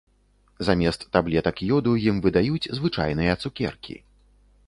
Замест таблетак ёду ім выдаюць звычайныя цукеркі.